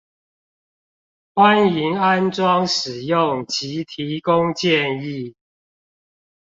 歡迎安裝使用及提供建議